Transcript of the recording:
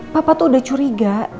papa tuh udah curiga